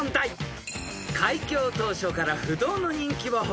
［開業当初から不動の人気を誇る］